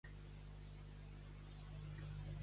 A meravella.